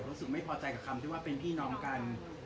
รู้สึกไม่พอใจกับคำที่ว่าเป็นพี่น้องกัน